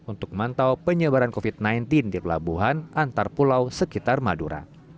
untuk memantau penyebaran covid sembilan belas di pelabuhan antar pulau sekitar madura